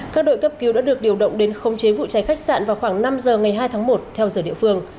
các đội cấp cứu đã được điều động đến khống chế vụ cháy khách sạn vào khoảng năm giờ ngày hai tháng một theo giờ địa phương